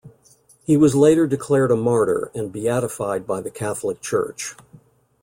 He was later declared a martyr and beatified by the Catholic Church.